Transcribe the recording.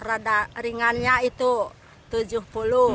ada ringannya itu rp tujuh puluh